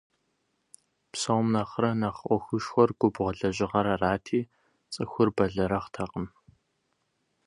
Псом нэхърэ нэхъ Ӏуэхушхуэр губгъуэ лэжьыгъэр арати, цӀыхур бэлэрыгъыртэкъым.